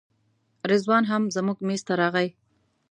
رضوان هم زموږ میز ته راغی.